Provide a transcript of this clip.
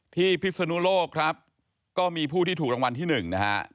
ที่พิศนุโลกครับก็มีผู้ที่ถูกรางวัลที่๑นะครับ